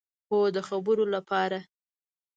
هو، د خبرو لپاره